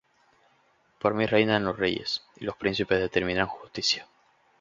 Por mí reinan los reyes, Y los príncipes determinan justicia.